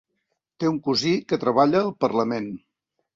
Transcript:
Té un cosí que treballa al Parlament.